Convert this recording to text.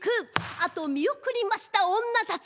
あとを見送りました女たち。